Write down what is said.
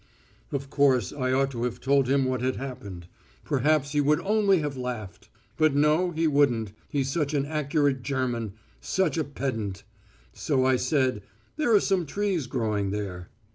Of course, I ought to have told him what had happened. Perhaps he would only have laughed ... but no, he wouldn't, he's such an accurate German, such a pedant. So I said, 'There are some trees growing there.'